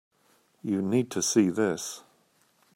You need to see this.